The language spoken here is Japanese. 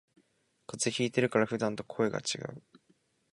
風邪ひいてるから普段と声がちがう